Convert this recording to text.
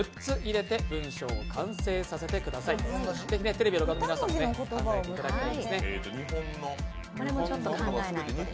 テレビの前の皆さんも考えてください。